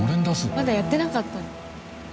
まだやってなかった。